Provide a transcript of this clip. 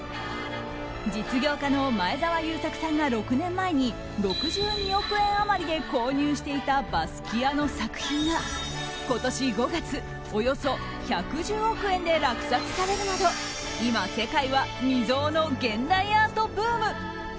実業家の前澤友作さんが６年前に６２億円余りで購入していたバスキアの作品が今年５月、およそ１１０億円で落札されるなど今、世界は未曽有の現代アートブーム。